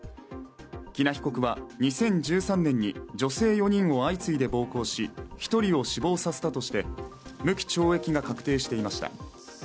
喜納被告は２０１３年に女性４人を相次いで暴行し１人を死亡させたとして無期懲役が確定していました。